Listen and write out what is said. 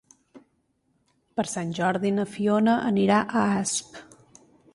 Per Sant Jordi na Fiona anirà a Asp.